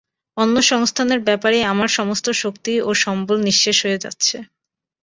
অন্নসংস্থানের ব্যাপারেই আমার সমস্ত শক্তি ও সম্বল নিঃশেষ হয়ে যাচ্ছে।